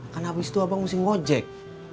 kan abis itu abang mesti ngojek